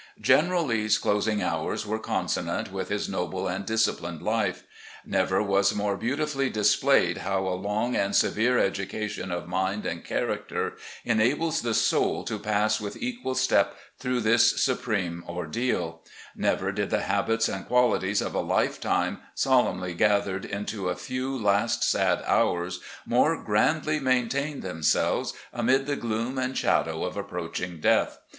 "General Lee's closing hours were consonant with his noble and disciplined life. Never was more beautifully displayed how a long and severe education of mind and character enables the soul to pass with equal step through this supreme ordeal; never did the habits and qualities of a lifetime, solemnly gathered into a few last sad hours, more grandly maintain themselves amid the gloom and shadow of approaching death.